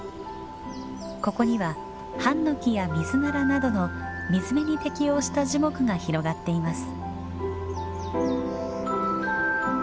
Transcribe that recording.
ここにはハンノキやミズナラなどの水辺に適応した樹木が広がっています。